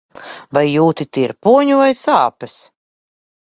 Vai jūti tirpoņu vai sāpes?